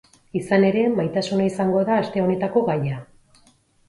Izan ere, maitasuna izango da aste honetako gaia.